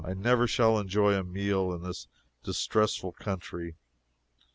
I never shall enjoy a meal in this distressful country.